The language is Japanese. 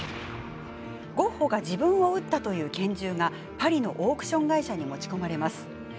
ゴッホが自分を撃ったという拳銃がパリのオークション会社に持ち込まれます。